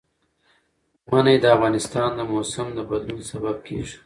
منی د افغانستان د موسم د بدلون سبب کېږي.